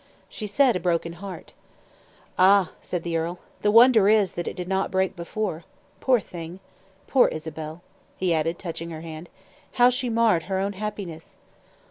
"She said a broken heart." "Ah!" said the earl. "The wonder is that it did not break before. Poor thing! Poor Isabel!" he added, touching her hand, "how she marred her own happiness!